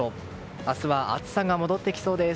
明日は暑さが戻ってきそうです。